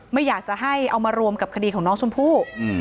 ไม่อยากจะให้เอามารวมกับคดีของน้องชมพู่